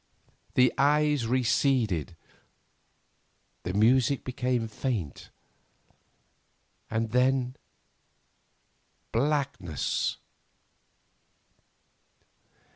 The eyes receded, the music became faint, and then—blackness.